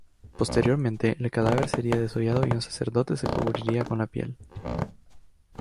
Posteriormente el cadáver sería desollado y un sacerdote se cubriría con la piel.